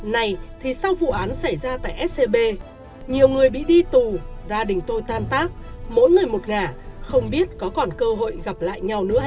này thì sao vụ án xảy ra tại scb nhiều người bị đi tù gia đình tôi tan tác mỗi người một gà không biết có còn cơ hội gặp lại